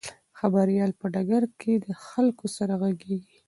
خبریال په ډګر کې د خلکو سره غږیږي.